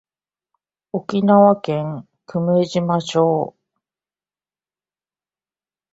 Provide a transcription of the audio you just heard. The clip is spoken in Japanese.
沖縄県久米島町